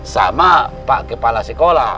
sama pak kepala sekolah